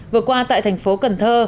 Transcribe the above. vừa qua tại thành phố cần thơ